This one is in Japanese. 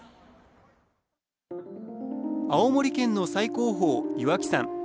青森県の最高峰、岩木山。